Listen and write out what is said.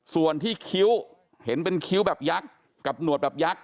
ส่วนที่คิ้วเห็นเป็นคิ้วแบบยักษ์กับหนวดแบบยักษ